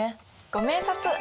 ご明察！